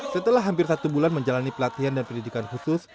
setelah hampir satu bulan menjalani pelatihan dan pendidikan khusus